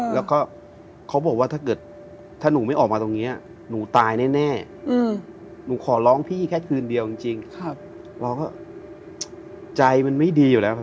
แล้วก็เขาบอกว่าถ้าเกิด